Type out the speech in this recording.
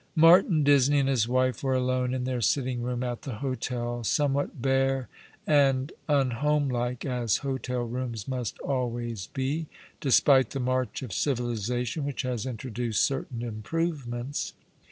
Martin Disney and his wife were alone in their sitting room at the hotel, somewhat bare and unhomelike, as hotel rooms must always be, despite the march of civilization which has introduced certain improvements.